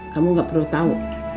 kamu gak perlu tahu